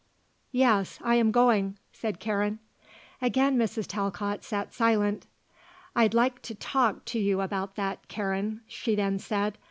"Yes, I am going," said Karen. Again Mrs. Talcott sat silent. "I'd like to talk to you about that, Karen," she then said.